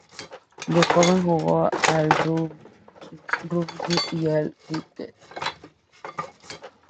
De joven jugó al rugby y al cricket.